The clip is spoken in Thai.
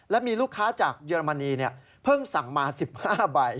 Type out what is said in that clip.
และมีลูกค้าจากเยอรมนีเพิ่งสั่งมา๑๕ใบ